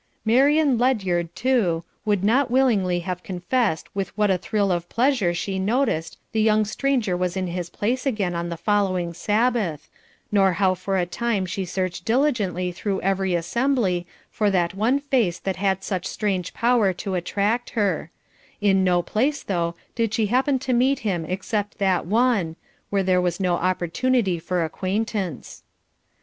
Marian Ledyard, too, would not willingly have confessed with what a thrill of pleasure she noticed the young stranger was in his place again on the following Sabbath, nor how for a time she searched diligently through every assembly for that one face that had such strange power to attract her; in no place, though, did she happen to meet him except that one, where there was no opportunity for acquaintance.